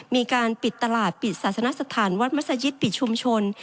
มีการปิดตลาดปิดศาสนสถานวัดมัศยิตปิดชุมชน